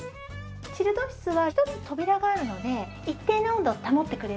チルド室は１つ扉があるので一定の温度を保ってくれるんですね。